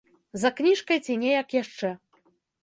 За кніжкай ці неяк яшчэ.